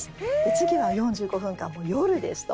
次は４５分間夜ですと。